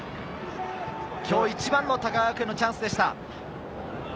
今日一番の高川学園のチャンスでした。